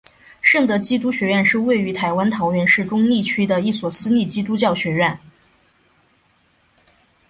圣德基督学院是位于台湾桃园市中坜区的一所私立基督教学院。